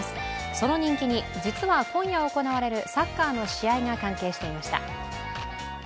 その人気に、実は今夜行われるサッカーの試合が関係していました。